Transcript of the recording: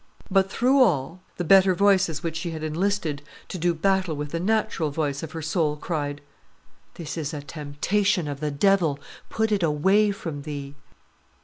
But, through all, the better voices which she had enlisted to do battle with the natural voice of her soul cried, "This is a temptation of the devil; put it away from thee."